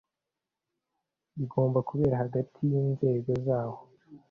Bigomba kubera hagati y’inzego zawo